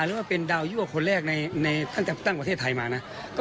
หรือว่าเป็นดาวยั่วคนแรกในตั้งแต่ตั้งประเทศไทยมานะ